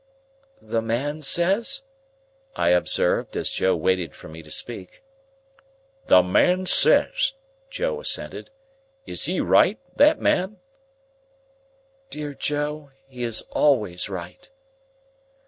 '" "The man says?" I observed, as Joe waited for me to speak. "The man says," Joe assented. "Is he right, that man?" "Dear Joe, he is always right."